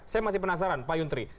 saya masih penasaran pak yuntri